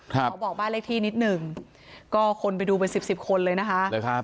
ขอบอกบ้านเลขที่นิดหนึ่งก็คนไปดูเป็นสิบสิบคนเลยนะคะ